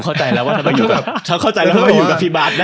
เค้าเข้าใจแล้วว่าจะมาอยู่กับพิบาท